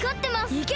いけ！